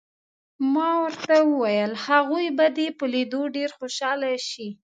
ما ورته وویل: هغوی به دې په لیدو ډېر خوشحاله شي.